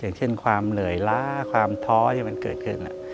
อย่างเช่นความเหนื่อยล้าความท้อที่มันเกิดขึ้น